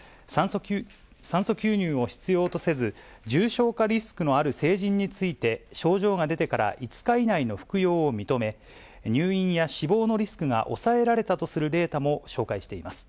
酸素吸入を必要とせず、重症化リスクのある成人について、症状が出てから５日以内の服用を認め、入院や死亡のリスクが抑えられたとするデータも紹介しています。